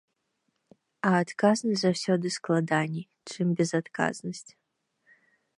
А адказнасць заўсёды складаней, чым безадказнасць.